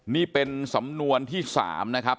นี่เป็นสำนวนที่๓นะครับ